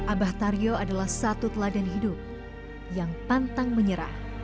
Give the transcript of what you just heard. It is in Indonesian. abah taryo adalah satu teladan hidup yang pantang menyerah